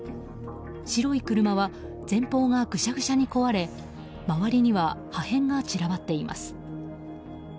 白い車は前方がぐしゃぐしゃに壊れ周りには破片が散らばっています。